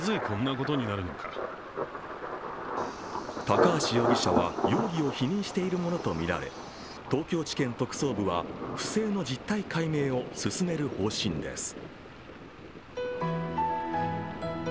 高橋容疑者は容疑を否認しているものとみられ東京地検特捜部は不正の実態解明を進める方針です。